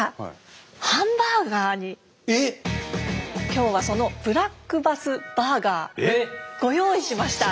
今日はそのブラックバスバーガーご用意しました。